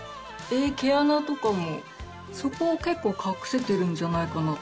毛穴とかもそこを結構隠せてるんじゃないかなと。